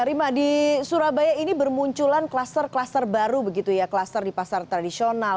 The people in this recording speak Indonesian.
rima di surabaya ini bermunculan klaster klaster baru klaster di pasar tradisional